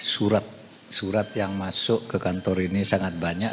surat surat yang masuk ke kantor ini sangat banyak